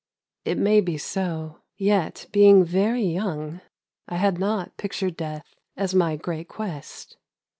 It may be so. Yet being very young I had not pictured Death as my great quest.